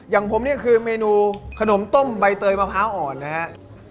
อย่างผมเนี่ยคือเมนูขนมต้มใบเตยมะพร้าวอ่อนนะฮะ